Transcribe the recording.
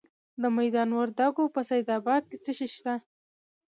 د میدان وردګو په سید اباد کې څه شی شته؟